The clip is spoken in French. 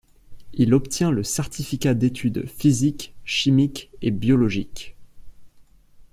Il obtient le Certificat d'études physiques, chimiques et biologiques.